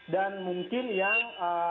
dan mungkin yang